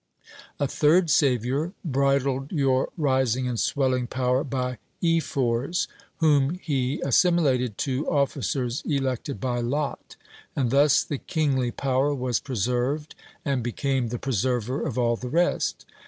A third saviour bridled your rising and swelling power by ephors, whom he assimilated to officers elected by lot: and thus the kingly power was preserved, and became the preserver of all the rest.